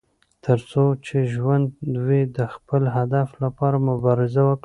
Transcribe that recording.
تر څو چې ژوند وي، د خپل هدف لپاره مبارزه وکړه.